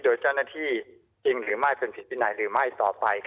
โดยเจ้าหน้าที่จริงหรือไม่เป็นผิดวินัยหรือไม่ต่อไป